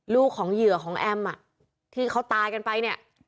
ลูกของเหยื่อของแอมที่เขาตายกันไปเนี่ย